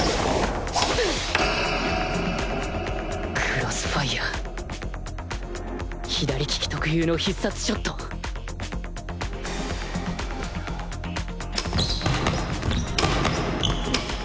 クロスファイア左利き特有の必殺ショットフーッ。